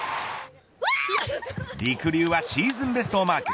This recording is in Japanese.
りくりゅうはシーズンベストをマーク。